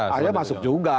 akhirnya masuk juga